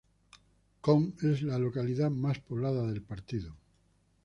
Con es la localidad más poblada del partido.